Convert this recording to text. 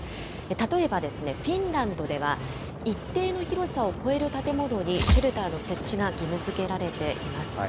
例えば、フィンランドでは、一定の広さを超える建物にシェルターの設置が義務づけられています。